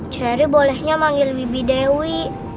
ceri bolehnya manggil bibi dewi